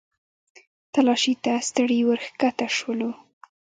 تلاشۍ ته ستړي ورښکته شولو.